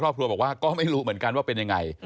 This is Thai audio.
บอกว่าก็ไม่รู้เหมือนกันว่าเป็นยังไง